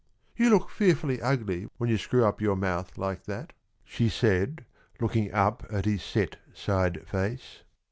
"You look fearfully ugly when you screw up your mouth like that," she said, looking up at his set side face.